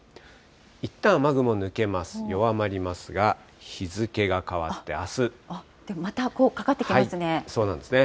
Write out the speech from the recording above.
いったん雨雲抜けます、弱まりますが、またかかってきますね。